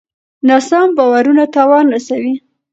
ناسم باورونه تاوان رسوي.